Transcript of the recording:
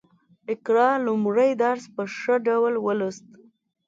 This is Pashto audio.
اقرا لومړی درس په ښه ډول ولوست